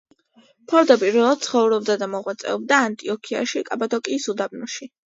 თავდაპირველად, ცხოვრობდა და მოღვაწეობდა ანტიოქიაში კაბადოკიის უდაბნოში.